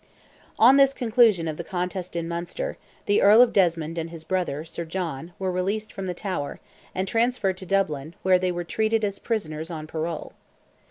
On this conclusion of the contest in Munster, the Earl of Desmond and his brother, Sir John, were released from the Tower, and transferred to Dublin, where they were treated as prisoners on parole.